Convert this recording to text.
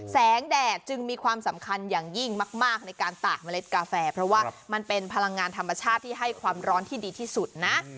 แดดจึงมีความสำคัญอย่างยิ่งมากในการตากเมล็ดกาแฟเพราะว่ามันเป็นพลังงานธรรมชาติที่ให้ความร้อนที่ดีที่สุดนะ